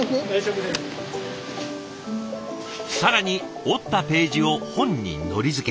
更に折ったページを本にのり付け。